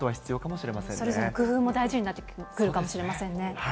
それぞれ工夫も大事になってくるかもしれませんね。